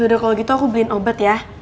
ya udah kalau gitu aku belain obat ya